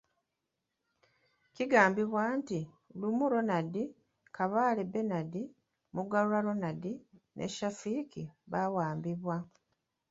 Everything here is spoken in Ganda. Kigambibwa nti Lumu Ronald, Kabaale Benard, Mugarura Ronald ne Shafik baawambibwa.